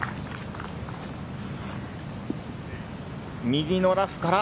右のラフから。